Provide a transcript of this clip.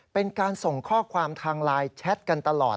เป็นการส่งข้อความทางไลน์แชทกันตลอด